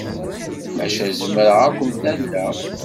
Maca zemreɣ ad kent-alleɣ.